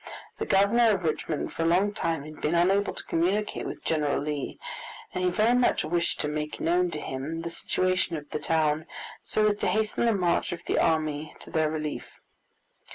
The Governor of Richmond for a long time had been unable to communicate with General Lee, and he very much wished to make known to him the situation of the town, so as to hasten the march of the army to their relief.